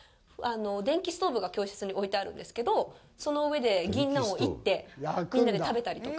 電気ストーブが教室に置いてあるんですけどその上でギンナンをいってみんなで食べたりとか。